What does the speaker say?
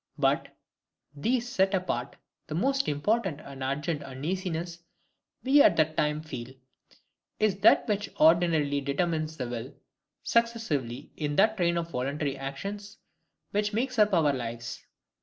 But, these set apart the most important and urgent uneasiness we at that time feel, is that which ordinarily determines the will, successively, in that train of voluntary actions which makes up our lives.